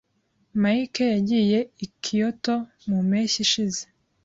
Mike yagiye i Kyoto mu mpeshyi ishize.